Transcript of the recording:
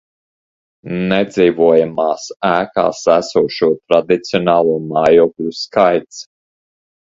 Nedzīvojamās ēkās esošo tradicionālo mājokļu skaits